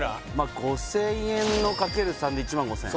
５０００円の×３で１万５０００円